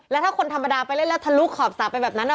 แล้วถ้าคนธรรมดาไปเล่นระท้าลุกขอบสากไปแบบนั้นน่ะ